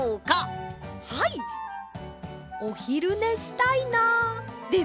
おひるねしたいなですね！